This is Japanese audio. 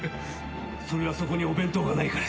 それはそこにお弁当がないからです。